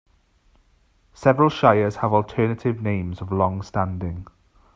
Several shires have alternative names of long standing.